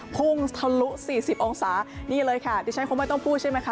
ทะลุ๔๐องศานี่เลยค่ะดิฉันคงไม่ต้องพูดใช่ไหมคะ